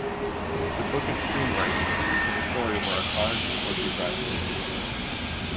The book and screen rights to the story were acquired before she graduated.